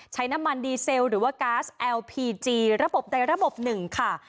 ใช้น้ำมันดีเซลหรือว่าก๊าซแอลพีจีระบบใดระบบหนึ่งค่ะ